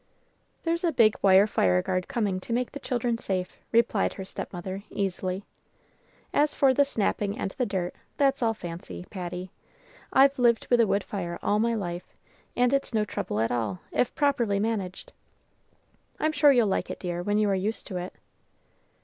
"There's a big wire fireguard coming to make the children safe," replied her stepmother, easily. "As for the snapping and the dirt, that's all fancy, Patty. I've lived with a wood fire all my life, and it's no trouble at all, if properly managed. I'm sure you'll like it, dear, when you are used to it."